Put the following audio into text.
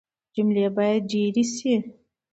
جملې بايد ډېري سي.